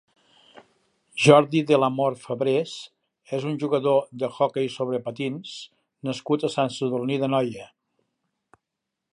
Jordi del Amor Fabres és un jugador d'hoquei sobre patins nascut a Sant Sadurní d'Anoia.